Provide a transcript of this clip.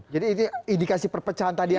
jadi itu indikasi perpecahan tadi ya